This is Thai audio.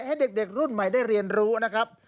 ให้เด็กรุ่นใหม่ได้เรียนรู้นะครับ